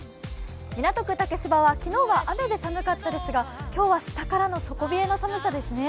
港区竹芝は昨日は雨で寒かったですが、今日は下からの底冷えの寒さですね。